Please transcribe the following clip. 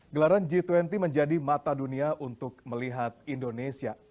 gelaran g dua puluh menjadi mata dunia untuk melihat indonesia